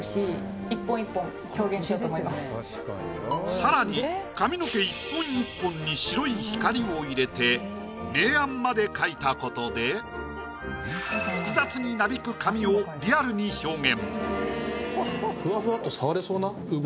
さらに髪の毛１本１本に白い光を入れて明暗まで描いたことで複雑になびく髪をリアルに表現。